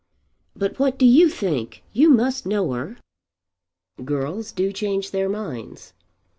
"But what do you think? You must know her." "Girls do change their minds."